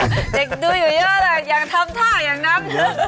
เด็กดูอยู่เยอะแหละอยากทำท่าอย่างนั้น